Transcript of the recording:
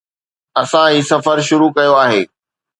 اسان هي سفر شروع ڪيو آهي